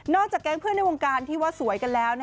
จากแก๊งเพื่อนในวงการที่ว่าสวยกันแล้ว